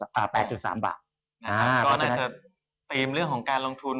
ก็อาจจะเตียมเรื่องของการลงทุน